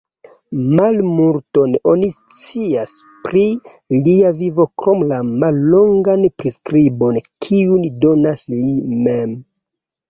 Malmulton oni scias pri lia vivo krom la mallongan priskribon kiun donas li mem.